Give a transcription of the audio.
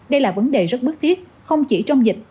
đây là vấn đề rất bức thiết không chỉ trong dịch